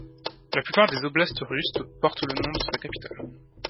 La plupart des oblasts russes porte le nom de sa capitale.